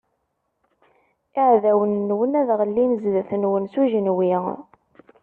Iɛdawen-nwen ad ɣellin zdat-nwen s ujenwi.